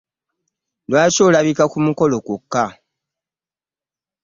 Lwaki olabika ku mukolo kwokka?